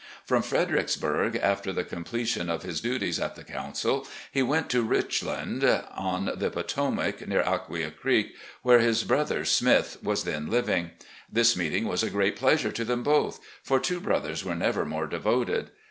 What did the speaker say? From Fredericksburg, after the completion of his duties at the council, he went to " Richland " on the Potomac, near Acquia Creek, where his brother Smith was then living. This meeting was a great pleasure to them both, for two brothers were never more devoted.